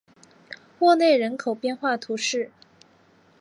沃内人口变化图示